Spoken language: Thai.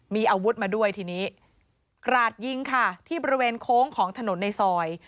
มีอาวุธมาด้วยทีนี้กราดยิงค่ะที่บริเวณโค้งของถนนในซอย